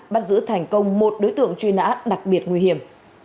bắt giữ thành công một đối tượng chuyên án đặc biệt nguy hiểm